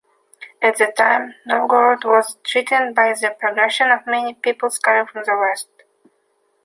At the time, Novgorod was threatened by the progression of many peoples coming from the west.